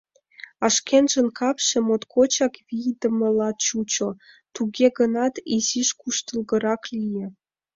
А шкенжын капше моткочак вийдымыла чучо, туге гынат, изиш куштылгырак лие.